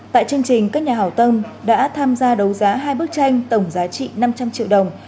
tại chương trình các nhà hảo tâm đã tham gia đấu giá hai bức tranh tổng giá trị năm trăm linh triệu đồng